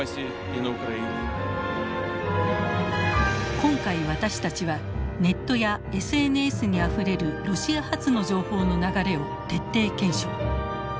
今回私たちはネットやＳＮＳにあふれるロシア発の情報の流れを徹底検証。